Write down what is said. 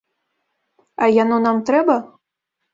А яно нам трэба?